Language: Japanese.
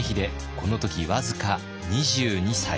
この時僅か２２歳。